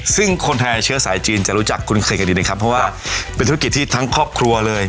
ซึ่งคนไทยเชื้อสายจีนจะรู้จักคุ้นเคยกันดีนะครับเพราะว่าเป็นธุรกิจที่ทั้งครอบครัวเลย